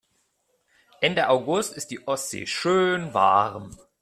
Ende August ist die Ostsee schön warm.